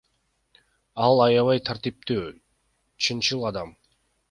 Ал аябай тартиптүү, чынчыл адам.